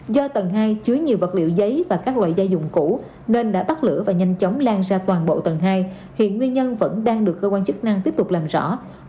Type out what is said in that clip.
do tầng hai chứa nhiều vật liệu giấy và các loại gia dụng cũ nên đã bắt lửa và nhanh chóng lan ra toàn bộ tầng hai hiện nguyên nhân vẫn đang được cơ quan chức năng tiếp tục làm rõ